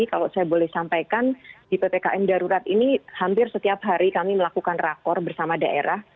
kalau saya boleh sampaikan di ppkm darurat ini hampir setiap hari kami melakukan rakor bersama daerah